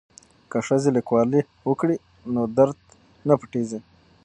که ښځې لیکوالي وکړي نو درد نه پټیږي.